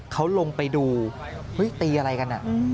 เขาลงไปดูตีอะไรกัน